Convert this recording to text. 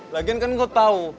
lagian kan lo tau